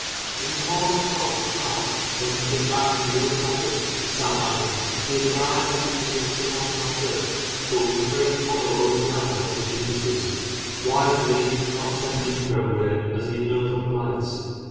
In the hall at Crom, we found, when we came back through the old chapel, Sam Adams. He had arrived just after we had set out on our search, but was afraid to follow over ground lest he should miss us; wisely he did not attempt the underground way as he had no proper light.